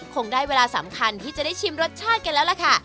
คงได้เวลาสำคัญที่จะได้ชิมรสชาติกันแล้วล่ะค่ะ